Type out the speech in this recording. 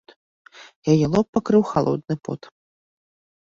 Яе лоб пакрыў халодны пот.